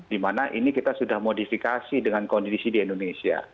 dimana ini kita sudah modifikasi dengan kondisi di indonesia